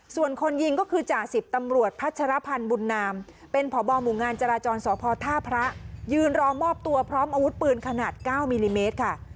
ส่วนคนยิงก็คือจ่า๑๐ตำรวจพภันธ์บุณนามเป็นผมจราจรสภธาพระยืนรอมอบตัวพร้อมอวุธปืนขนาด๙มิลลิเมตรค่ะ